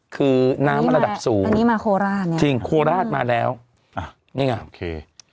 คือนางมาระดับสูงจริงขอราชมาแล้วนี่ไงโอเค